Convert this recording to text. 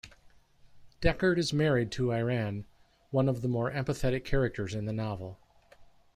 Deckard is married to Iran, one of the more empathetic characters in the novel.